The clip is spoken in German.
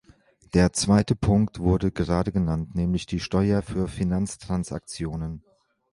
Der zweite Punkt wurde gerade genannt, nämlich die Steuer für Finanztransaktionen.